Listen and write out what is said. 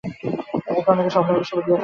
একে অন্যকে স্বপ্নবিলাসী বলিয়া থাকে।